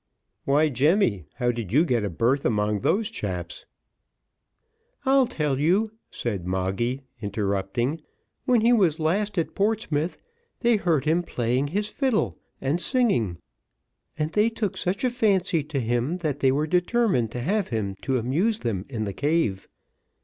"Why, Jemmy, how did you get a berth among those chaps?" "I'll tell you," said Moggy, interrupting: "when he was last at Portsmouth, they heard him playing his fiddle and singing, and they took such a fancy to him, that they were determined to have him to amuse them in the cave.